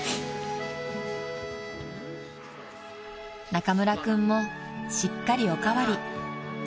［中村君もしっかりお代わり］